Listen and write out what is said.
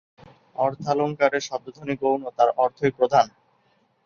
অর্থালঙ্কারে শব্দধ্বনি গৌণ, তার অর্থই প্রধান।